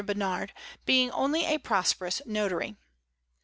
Bernard, being only a prosperous notary.